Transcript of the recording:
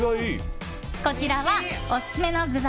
こちらはオススメの具材。